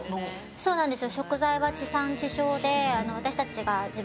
そうなんですよ。